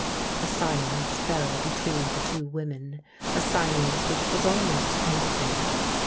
A silence fell between the two women, a silence which was almost painful.